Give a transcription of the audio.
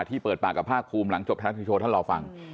ที่เปิดปากกับภาคคลุมหลังจบทางทางที่โชว์ท่านรอฟัง